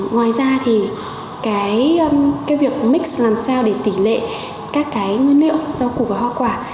ngoài ra thì cái việc mix làm sao để tỷ lệ các cái nguyên liệu rau củ và hoa quả